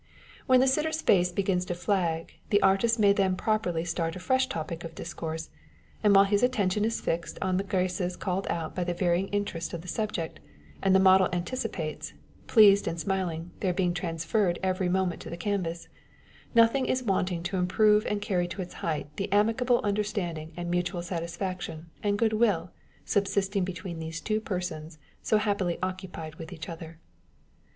When the sitter's face begins to flag, the artist may then properly start a fresh topic of discourse, and while his attention is fixed on the graces called out by the varying interest of the subject, and the model anticipates, pleased and smiling, their being transferred every moment to the canvas, nothing is wanting to improve and carry to its height the amicable understanding and mutual satisfaction and good will subsisting between these two persons so happily occupied with each other